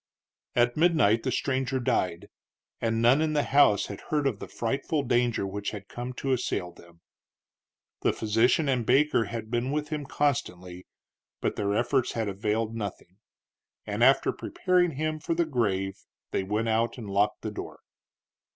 At midnight the stranger died, and none in the house had heard of the frightful danger which had come to assail them. The physician and Baker had been with him constantly, but their efforts had availed nothing; and after preparing him for the grave they went out and locked the door.